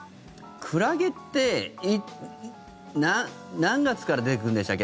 クラゲって何月から出てくるんでしたっけ？